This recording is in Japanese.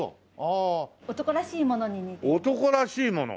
男らしいもの？